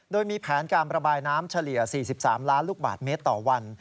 โดยมีแผนการระบายน้ำเฉลี่ย๔๓ล้านลูกบาทเมตรต่อวัน